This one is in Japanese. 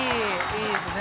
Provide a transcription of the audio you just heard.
いいっすね。